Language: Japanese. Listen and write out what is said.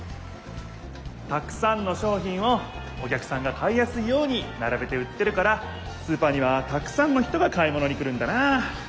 たくさんの商品をお客さんが買いやすいようにならべて売ってるからスーパーにはたくさんの人が買い物に来るんだなあ。